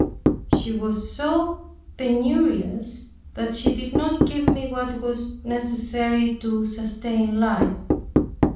She was so penurious, that she did not give me what was necessary to sustain life.